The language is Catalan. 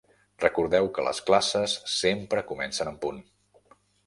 Recordeu que les classes sempre comencen en punt.